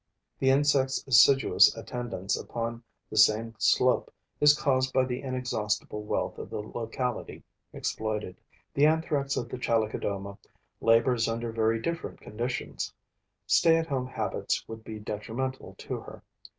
The insect's assiduous attendance upon the same slope is caused by the inexhaustible wealth of the locality exploited. The Anthrax of the Chalicodoma labors under very different conditions. Stay at home habits would be detrimental to her.